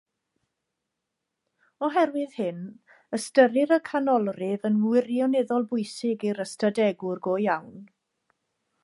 Oherwydd hyn, ystyrir y canolrif yn wirioneddol bwysig i'r ystadegwr go iawn.